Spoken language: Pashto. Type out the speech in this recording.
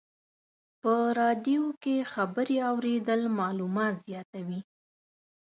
په رادیو کې خبرې اورېدل معلومات زیاتوي.